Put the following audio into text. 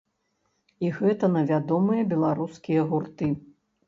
І гэта на вядомыя беларускія гурты.